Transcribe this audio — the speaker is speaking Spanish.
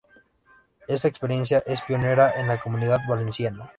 Esta experiencia es pionera en la Comunidad Valenciana.